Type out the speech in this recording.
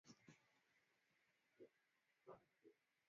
na asilimia tano Jamhuri ya KiJamuhuri ya Jamuhuri ya Demokrasia ya Kongo